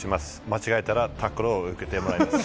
間違えたらタックルを受けてもらいます。